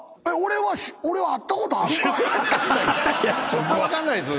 それ分かんないです！